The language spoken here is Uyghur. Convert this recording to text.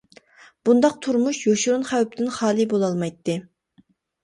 بۇنداق تۇرمۇش يوشۇرۇن خەۋپتىن خالىي بولالمايتتى.